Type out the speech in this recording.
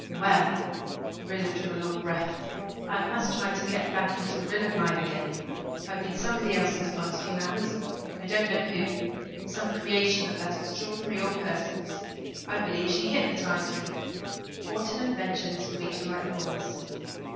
"Well" Rilla drew a long breath "I must try to get back into Rilla Blythe again. I've been somebody else these past few hours I don't know just who some creation of that extraordinary old person's. I believe she hypnotized me. What an adventure this will be to write the boys."